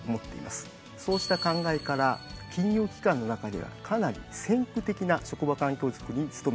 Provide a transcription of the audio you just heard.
そうした考えから金融機関の中ではかなり先駆的な職場環境づくりに努めています。